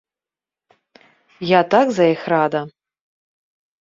Я так за іх рада.